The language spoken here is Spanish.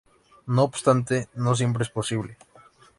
No obstante, no siempre es posible.